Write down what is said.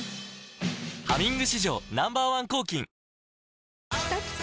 「ハミング」史上Ｎｏ．１抗菌きたきた！